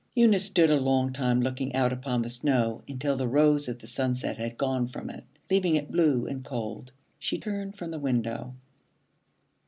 Eunice stood a long time looking out upon the snow, until the rose of the sunset had gone from it, leaving it blue and cold. She turned from the window.